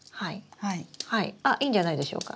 あいいんじゃないでしょうか。